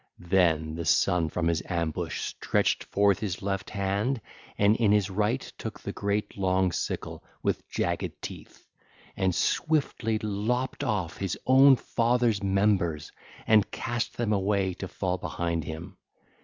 Then the son from his ambush stretched forth his left hand and in his right took the great long sickle with jagged teeth, and swiftly lopped off his own father's members and cast them away to fall behind him.